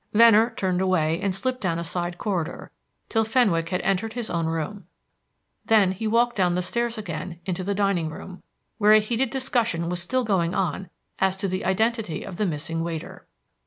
Venner turned away, and slipped down a side corridor, till Fenwick had entered his own room. Then he walked down the stairs again into the dining room, where a heated discussion was still going on as to the identity of the missing waiter.